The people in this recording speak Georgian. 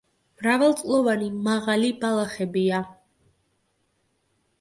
მრავალწლოვანი მაღალი ბალახებია.